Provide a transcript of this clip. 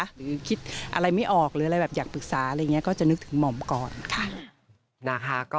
หรือคิดอะไรไม่ออกหรืออะไรแบบอยากปรึกษาอะไรอย่างนี้ก็จะนึกถึงหม่อมก่อนนะคะ